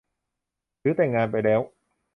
หรือแต่งงานไปแล้ว